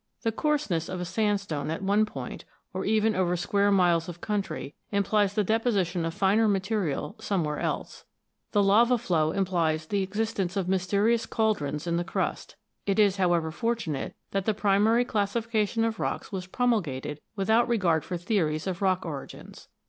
The coarseness of a sandstone at one point, or even over square miles of country, implies the deposition of finer material somewhere else. The lava flow implies the existence of mysterious cauldrons in the crust. It is, however, fortunate that the primary classification of rocks was promulgated without regard for theories of rock origins.